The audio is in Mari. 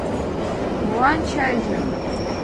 Молан «чайже»?..